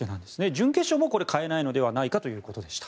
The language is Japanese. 準決勝も変えないのではないかということでした。